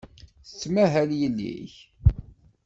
Tettmahal yelli-k?